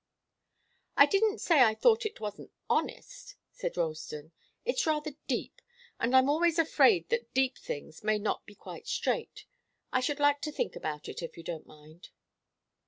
"I didn't say I thought it wasn't honest," said Ralston. "It's rather deep, and I'm always afraid that deep things may not be quite straight. I should like to think about it, if you don't mind."